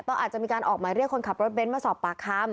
อาจจะมีการออกหมายเรียกคนขับรถเบ้นมาสอบปากคำ